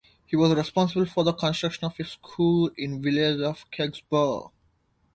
He was responsible for the construction of a school in the village of Kexborough.